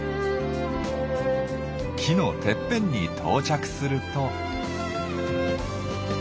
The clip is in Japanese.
木のてっぺんに到着すると。